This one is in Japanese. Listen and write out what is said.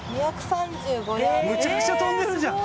むちゃくちゃ飛んでるじゃん！